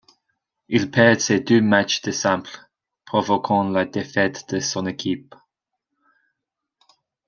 Il perd ses deux matchs de simple, provoquant la défaite de son équipe.